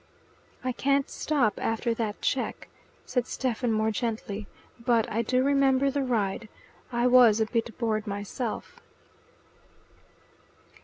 "I can't stop after that cheque," said Stephen more gently. "But I do remember the ride. I was a bit bored myself."